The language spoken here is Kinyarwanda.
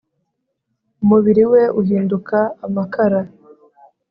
umubiri we uhinduka amakara